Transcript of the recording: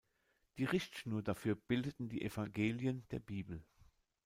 Die Richtschnur dafür bildeten die Evangelien der Bibel.